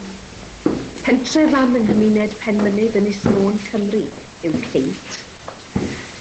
Pentrefan yng nghymuned Penmynydd, Ynys Môn, Cymru yw Ceint.